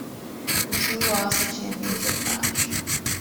The two lost the championship match.